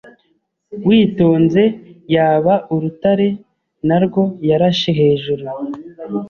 Witonze yaba urutare narwo yarashe hejuru